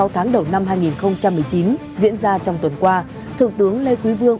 sáu tháng đầu năm hai nghìn một mươi chín diễn ra trong tuần qua thượng tướng lê quý vương